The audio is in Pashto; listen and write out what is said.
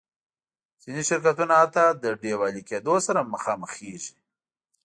ځینې شرکتونه حتی له ډیوالي کېدو سره مخامخېږي.